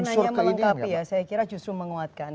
bukan hanya melengkapi ya saya kira justru menguatkan